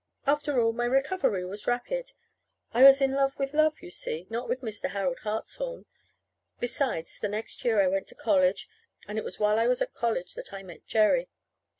After all, my recovery was rapid. I was in love with love, you see; not with Mr. Harold Hartshorn. Besides, the next year I went to college. And it was while I was at college that I met Jerry.